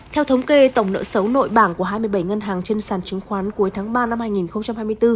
theo thống kê tổng nợ xấu nội bảng của hai mươi bảy ngân hàng trên sàn chứng khoán cuối tháng ba năm hai nghìn hai mươi bốn